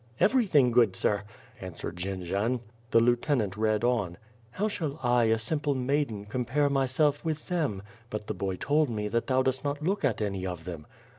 Everything good, sir —" answered Jendzian. The lieutenant read on: " How shall I, a simple maiden, compare my self with them; but the boy told me, that thou dost not look at any of them.